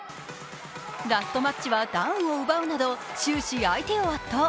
ラストマッチはダウンを奪うなど終始相手を圧倒。